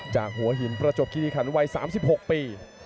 จากหัวหินประจบกิริขันไว้๓๖ปี